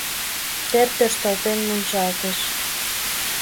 Тер, тӧршталтен, мунчалтыш.